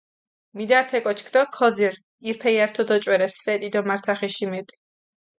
მიდართ ე კოჩქჷ დო ქოძირჷ, ირფელი ართო დოჭვერე სვეტი დო მართახიში მეტი